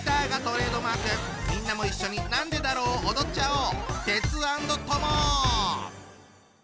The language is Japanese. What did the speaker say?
みんなも一緒に「なんでだろう」を踊っちゃおう！